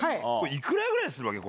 いくらぐらいするわけ？